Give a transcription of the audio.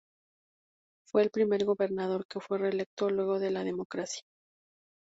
Fue el primer gobernador que fue reelecto luego de la democracia.